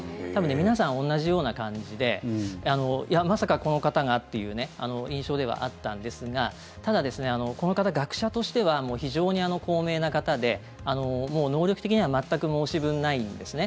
皆さん、同じような感じでまさかこの方がっていう印象ではあったんですがただ、この方、学者としては非常に高名な方でもう能力的には全く申し分ないんですね。